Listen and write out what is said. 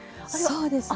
そうですね。